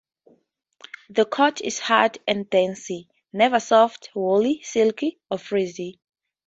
The coat is hard and dense, never soft, woolly, silky or frizzy.